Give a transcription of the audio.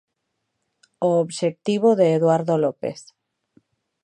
O obxectivo de Eduardo López.